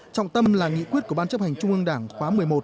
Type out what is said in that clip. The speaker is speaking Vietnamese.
trọng tâm là nghị quyết của ban chấp hành trung ương đảng khóa một mươi một